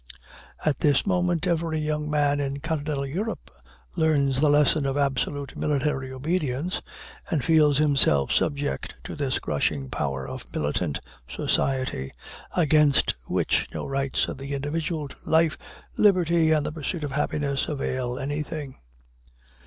At this moment every young man in Continental Europe learns the lesson of absolute military obedience, and feels himself subject to this crushing power of militant society, against which no rights of the individual to life, liberty, and the pursuit of happiness avail anything.